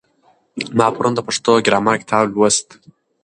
ما پرون د پښتو ګرامر کتاب لوست.